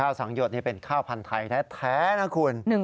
สังหยดนี่เป็นข้าวพันธุ์ไทยแท้นะคุณ